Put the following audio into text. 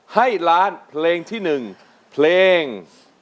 ให้ล้านเพลงที่๑เพลง